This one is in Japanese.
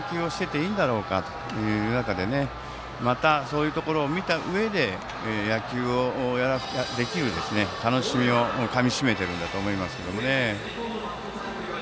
それは被災された時に本当に野球をしていていいんだろうかという中でそういうところを見たうえで野球をできる楽しみをかみしめているんだと思います。